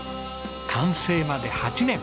完成まで８年。